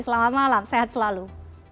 selamat malam sehat selalu